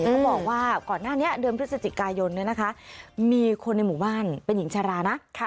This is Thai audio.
เขาบอกว่าก่อนหน้านี้เดือนพฤศจิกายนมีคนในหมู่บ้านเป็นหญิงชารานะ